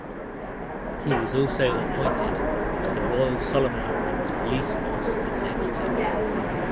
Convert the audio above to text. He was also appointed to the Royal Solomon Islands Police Force Executive.